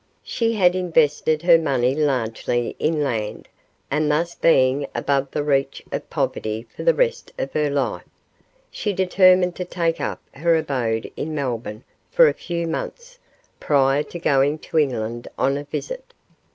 She had invested her money largely in land, and thus being above the reach of poverty for the rest of her life, she determined to take up her abode in Melbourne for a few months, prior to going to England on a visit.